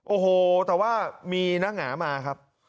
โอ้โหแต่ว่ามีหน้าหงามาครับ